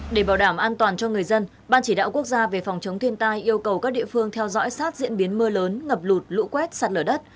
để bảo đảm an toàn cho người dân ban chỉ đạo quốc gia về phòng chống thiên tai yêu cầu các địa phương theo dõi sát diễn biến mưa lớn ngập lụt lũ quét sạt lở đất